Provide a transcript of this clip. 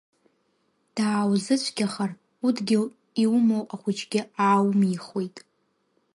Дааузыцәгьахар, удгьыл иумоу ахәыҷгьы ааумихуеит.